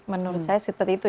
menurut saya seperti itu